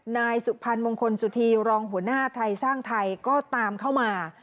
นายสุพรรณมงคลสุธีรองหัวหน้าไทยสร้างไทยก็ตามเข้ามา